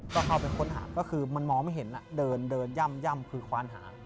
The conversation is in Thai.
ก็เข้าไปค้นหาก็คือมันมองไม่เห็นเดินย่ำคือคว้านหา